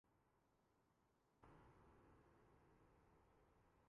انسان کے فطری مطالبات، دیگر مخلوقات سے سوا ہیں۔